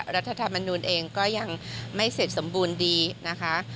รัฐธรรมนูลเองก็ยังไม่เสร็จสมบูรณ์ดีนะคะ